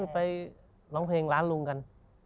ไปร้องเพลงร้านลุงกัน